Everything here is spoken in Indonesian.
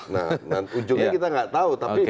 nah ujungnya kita nggak tahu